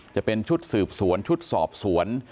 จะเป็นชุดสืบสวนชุดสอบสวน